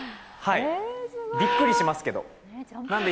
びっくりしますけど。